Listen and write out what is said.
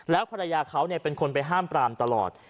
แล้วภรรยาเขาเป็นคนไปห้ามปรามตลอด